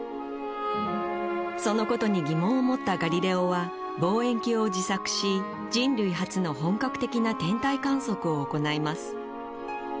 そのことに疑問を持ったガリレオは望遠鏡を自作し人類初の本格的な天体観測を行います